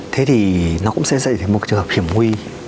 thế thì nó cũng sẽ xây thành một trường hợp hiểm nguy